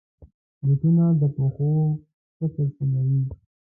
بوټونه د پښو شکل سموي.